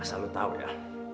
asal lo tau ya